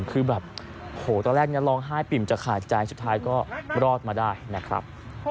คือแบบโหตอนแรกร้องไห้ปิ่มจะขาดใจสุดท้ายก็รอดมาได้นะครับ